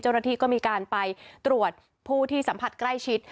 เจ้าหน้าที่ก็มีการไปตรวจผู้ที่สัมผัสใกล้ชิด